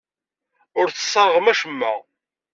Ur tesserɣem acemma.